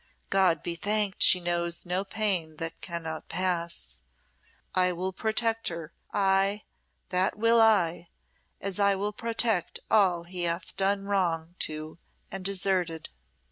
God be thanked she knows no pain that cannot pass! I will protect her aye, that will I, as I will protect all he hath done wrong to and deserted."